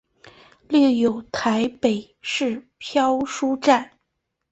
另有台北市漂书站。